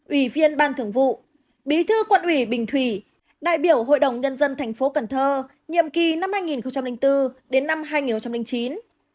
ủy viên ban thường vụ bí thư quận ủy bình thủy đại biểu hội đồng nhân dân thành phố cần thơ nhiệm kỳ năm hai nghìn bốn đến năm hai nghìn chín